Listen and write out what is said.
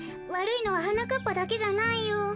わるいのははなかっぱだけじゃないよ。